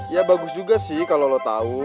ya bagus juga sih kalau lo tau